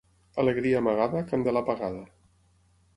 Alegria amagada, candela apagada.